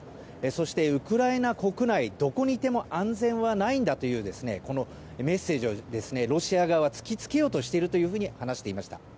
そして、ウクライナ国内どこにいても安全はないんだというメッセージをロシア側は突きつけようとしているというふうに話しました。